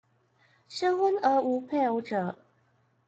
適婚而無配偶者